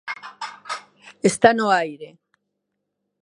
Está no aire.